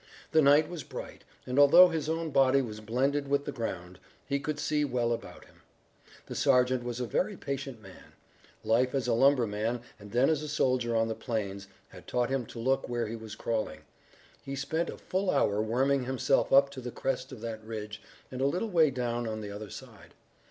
The night was bright, and although his own body was blended with the ground, he could see well about him. The sergeant was a very patient man. Life as a lumberman and then as a soldier on the plains had taught him to look where he was crawling. He spent a full hour worming himself up to the crest of that ridge and a little way down on the other side.